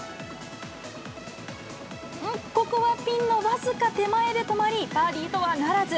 ここはピンの僅か手前で止まり、バーディーとはならず。